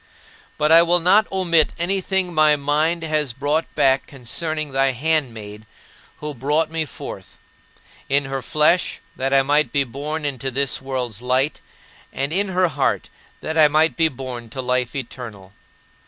But I will not omit anything my mind has brought back concerning thy handmaid who brought me forth in her flesh, that I might be born into this world's light, and in her heart, that I might be born to life eternal.